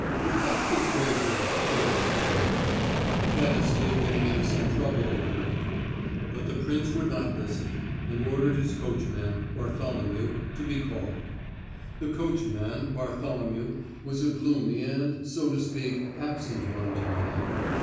"Give up this wager," urged they, "you can't escape getting into some trouble over it." But the prince would not listen, and ordered his coachman, Bartholomew, to be called. The coachman, Bartholomew, was a gloomy and, so to speak, absent minded man.